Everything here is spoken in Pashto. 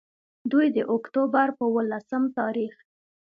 دوي د اکتوبر پۀ ولسم تاريخ